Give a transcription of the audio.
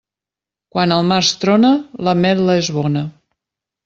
Quan al març trona, l'ametla és bona.